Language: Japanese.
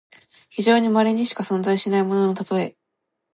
非常にまれにしか存在しないもののたとえ。